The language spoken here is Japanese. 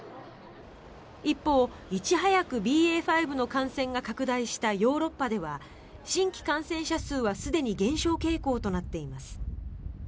一方、いち早くＢＡ．５の感染が拡大したヨーロッパでは、新規感染者数はすでに減少傾向となっています。